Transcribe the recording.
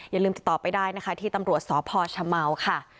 อย่าลืมติดต่อไปได้ที่ตำรวจสพชะเมา